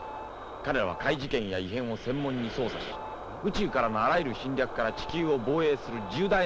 彼らは怪事件や異変を専門に捜査し宇宙からのあらゆる侵略から地球を防衛する重大な任務を持っていた。